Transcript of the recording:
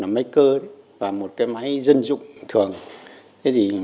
một máy cơ và một máy dân dụng thường